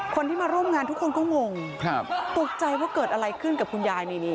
คนที่มาร่วมงานทุกคนก็งงตกใจว่าเกิดอะไรขึ้นกับคุณยายนี่